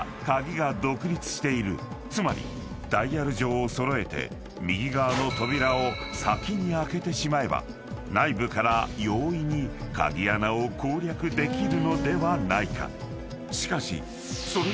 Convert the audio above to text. ［つまりダイヤル錠を揃えて右側の扉を先に開けてしまえば内部から容易に鍵穴を攻略できるのではないか］